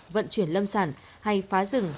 vận chuyển lâm sản hay phá rừng